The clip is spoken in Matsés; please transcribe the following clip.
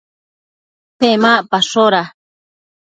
Pemacpashoda